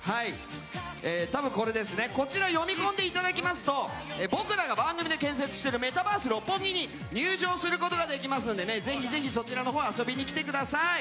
こちらを読み込んでいただきますと僕らが番組で建設しているメタバース六本木に入場することができますのでぜひ、そちらのほうに遊びに来てください。